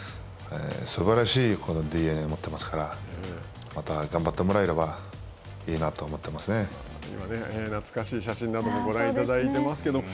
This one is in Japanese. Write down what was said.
すばらしいこのＤＮＡを持っていますからまた頑張ってもらえれば今、懐かしい写真などもご覧いただいていますけども。